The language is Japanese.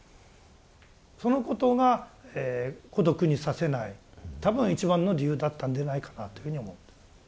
そのことが孤独にさせない多分一番の理由だったんでないかなというふうに思ってます。